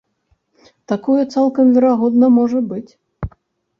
Такое цалкам верагодна можа быць.